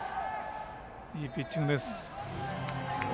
いいピッチングです。